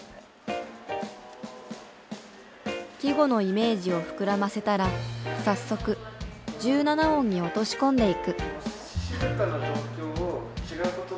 季語のイメージを膨らませたら早速１７音に落とし込んでいく。